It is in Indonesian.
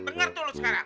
bener tuh lo sekarang